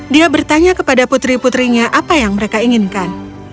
dia bertanya kepada putri putrinya apa yang mereka inginkan